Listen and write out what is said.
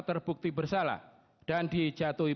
terbukti bersalah dan dijatuhi